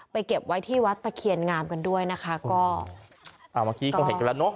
เก็บไว้ที่วัดตะเคียนงามกันด้วยนะคะก็อ่าเมื่อกี้คงเห็นกันแล้วเนอะ